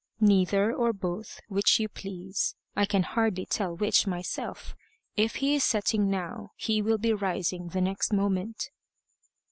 "Neither or both, which you please. I can hardly tell which myself. If he is setting now, he will be rising the next moment."